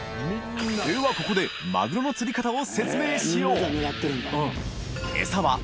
ここでマグロの釣り方を説明しよう華丸）